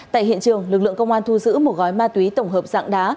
tại hiện trường lực lượng công an thu giữ một gói ma túy tổng hợp dạng đá